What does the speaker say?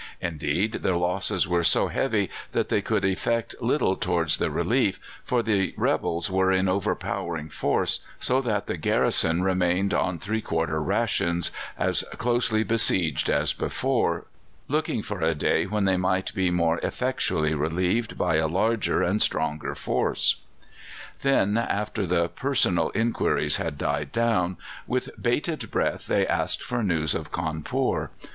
Indeed, their losses were so heavy that they could effect little towards the relief, for the rebels were in overpowering force, so that the garrison remained on three quarter rations, as closely besieged as before, looking for a day when they might be more effectually relieved by a larger and stronger force. Then, after the personal inquiries had died down, with bated breath they asked for news of Cawnpore.